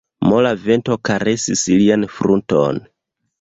Mola vento karesis lian frunton.